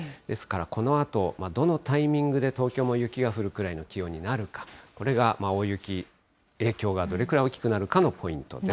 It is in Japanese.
ですから、このあとどのタイミングで東京も雪が降るくらいの気温になるか、これが大雪、影響がどれくらい大きくなるかのポイント